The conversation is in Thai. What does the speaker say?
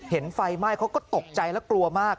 ไฟไหม้เขาก็ตกใจและกลัวมาก